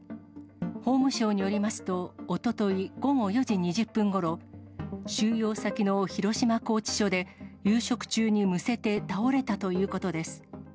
法務省によりますと、おととい午後４時２０分ごろ、収容先の広島拘置所で、夕食中にむせて倒れたということです。